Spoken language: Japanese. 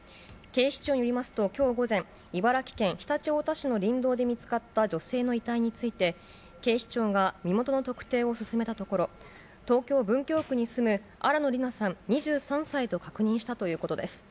警視庁によりますと、きょう午前、茨城県常陸太田市の林道で見つかった女性の遺体について、警視庁が身元の特定を進めたところ、東京・文京区に住む新野りなさん２３歳と確認したということです。